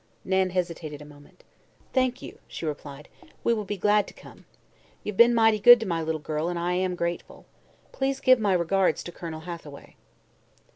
Nan hesitated a moment. "Thank you," she replied, "we'll be glad to come. You've been mighty good to my little girl and I am grateful. Please give my regards to Colonel Hathaway."